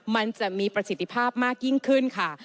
มันจะมีประสิทธิภาพมากยิ่งขึ้นค่ะ